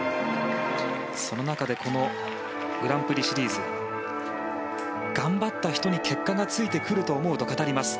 その中でこのグランプリシリーズ頑張った人に結果がついてくると思うと語ります。